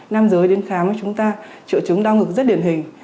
nam giới đến khám với chúng ta triệu chứng đau ngực rất điển hình